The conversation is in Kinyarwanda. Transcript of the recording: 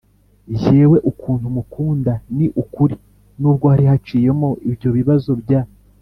Jyewe ukuntu mukunda, ni ukuri nubwo hari haciyemo ibyo bibazo bya